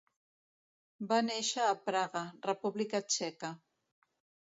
Va néixer a Praga, República Txeca.